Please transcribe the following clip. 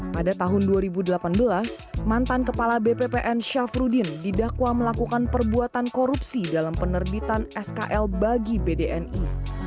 pada tahun dua ribu delapan belas mantan kepala bppn syafruddin didakwa melakukan perbuatan korupsi dalam penerbitan skl bagi bdni